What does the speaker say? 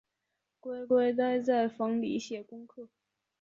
乖乖待在房里写功课